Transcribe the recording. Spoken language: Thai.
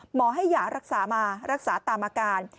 หมอให้หย่ารักษามารักษาตามอาการ